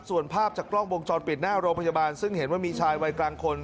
ส่วนภาพจากกล้องวงจรปิดหน้าโรงพยาบาลซึ่งเห็นว่ามีชายวัยกลางคน